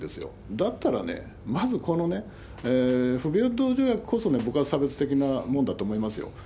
だったらね、まずこの不平等条約こそ、僕は差別的なものだと思いますよ。